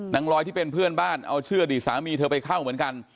นางลอยที่เป็นเพื่อนบ้านเอาชื่ออดีตสามีเธอไปเข้าเหมือนกัน